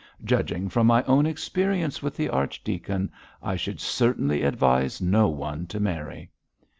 Judging from my own experience with the archdeacon, I should certainly advise no one to marry.'